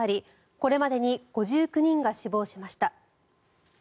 これまでに５９人が死亡しました。